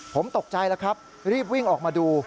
ผมตกใจแล้วครับรีบวิ่งออกมาดู